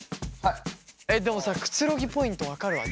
でもさくつろぎポイント分かるわ。